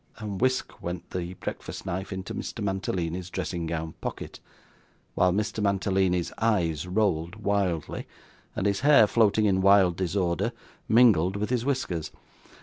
and whisk went the breakfast knife into Mr. Mantalini's dressing gown pocket, while Mr. Mantalini's eyes rolled wildly, and his hair floating in wild disorder, mingled with his whiskers.